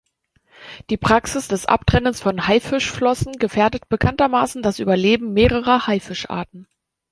Die Praxis des Abtrennens von Haifischflossen gefährdet bekanntermaßen das Überleben mehrerer Haifischarten.